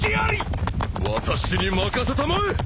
私に任せたまえ！